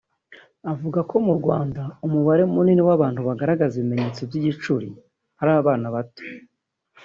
Avuga ko mu Rwanda umubare munini w’abantu bagaragaza ibimenyetso by’igicuri ari abana bato